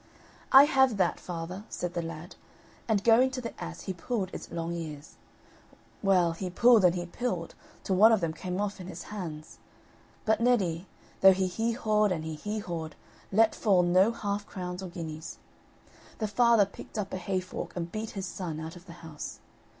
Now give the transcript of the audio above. "I have that, father," said the lad, and going to the ass he pulled its long ears; well, he pulled, and he pulled, till one of them came off in his hands; but Neddy, though he hee hawed and he hee hawed let fall no half crowns or guineas. The father picked up a hay fork and beat his son out of the house.